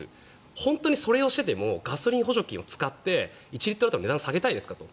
本当にそれをしてでもガソリン補助金を使って１リットル当たりの値段を下げたいですかと。